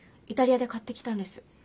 イタリアで買ってきたんです。